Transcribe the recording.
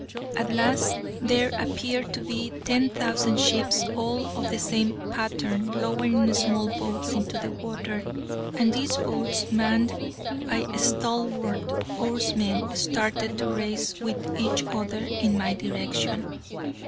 At last there appeared to be ten thousand ships all of the same pattern lowering small boats into the water, and these boats manned by stalwart oarsmen started to race with each other in my direction.